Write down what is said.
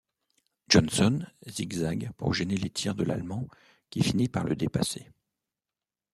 Johnson zigzague pour gêner les tirs de l'allemand qui finit par le dépasser.